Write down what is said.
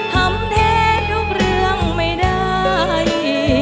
ทำแท้ทุกเรื่องไม่ได้